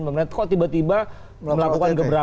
memang tiba tiba melakukan gebrakan